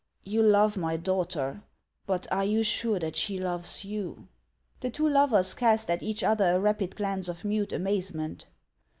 "You love my daughter; but are you sure that she loves you ?" The two lovers cast at each other a rapid glance of mute amazement.